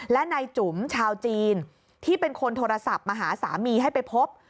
และนายจุ๋มชาวจีนที่เป็นคนโทรศัพท์มาหาสามีให้ไปพบ